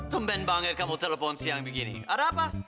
tumben banget kamu telepon siang begini ada apa